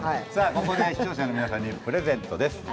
ここで視聴者の皆さんにプレゼントです。